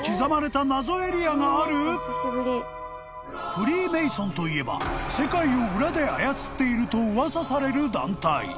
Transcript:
［フリーメイソンといえば世界を裏で操っていると噂される団体］